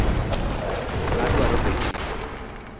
Adwaro beti